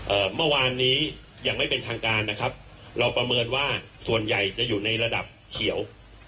เมื่อวานนี้ยังไม่เป็นทางการนะครับเราประเมินว่าส่วนใหญ่จะอยู่ในระดับเขียว